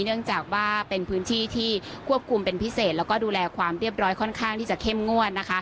เนื่องจากว่าเป็นพื้นที่ที่ควบคุมเป็นพิเศษแล้วก็ดูแลความเรียบร้อยค่อนข้างที่จะเข้มงวด